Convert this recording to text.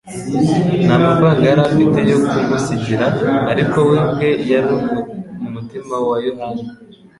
Nta mafaranga yari afite yo kumusigira; ariko we ubwe yari mu mutima wa Yohana,